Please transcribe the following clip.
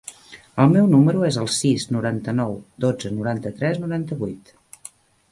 El meu número es el sis, noranta-nou, dotze, noranta-tres, noranta-vuit.